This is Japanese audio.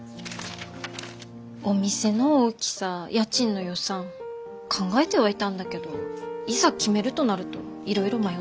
お店の大きさ家賃の予算考えてはいたんだけどいざ決めるとなるといろいろ迷ってしまって。